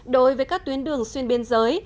đối với các tuyến đường xuyên biên giới